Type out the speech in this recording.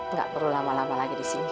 nggak perlu lama lama lagi di sini